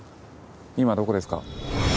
今どこですか？